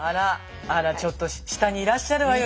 あらちょっと下にいらっしゃるわよ